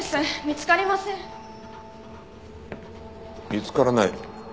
見つからない？